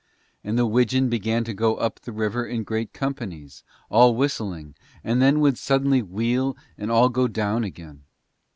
And the widgeon began to go up the river in great companies, all whistling, and then would suddenly wheel and all go down again.